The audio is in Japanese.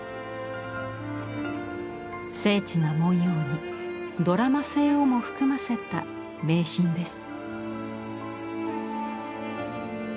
精緻な文様にドラマ性をも含ませた名品です。